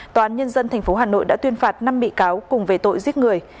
tòa án nhân dân tp hà nội đã tuyên phạt năm bị cáo cùng về tội giết người